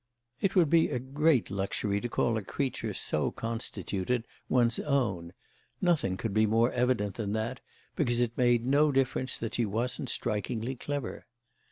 It would be a great luxury to call a creature so constituted one's own; nothing could be more evident than that, because it made no difference that she wasn't strikingly clever.